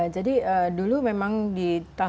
jadi dulu memang di indonesia memang banyak kisah kesehatan